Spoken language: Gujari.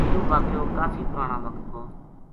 یوہ واقعو کافی پرانا وقت کو